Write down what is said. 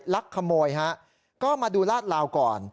ลักขโมยฮะก็มาดูลาดลาวก่อน